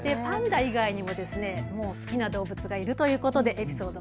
パンダ以外にも好きな動物がいるということで。